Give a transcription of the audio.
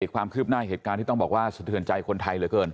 ความคืบหน้าเหตุการณ์ที่ต้องบอกว่าสะเทือนใจคนไทยเหลือเกิน